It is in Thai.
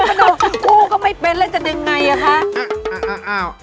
ป้าเนากูก็ไม่เป็นแล้วจะได้ยังไงอ่ะค่ะ